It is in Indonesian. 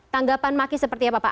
tanggapan maki seperti apa pak